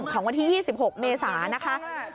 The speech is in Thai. ของวันที่๒๖เมษานะคะ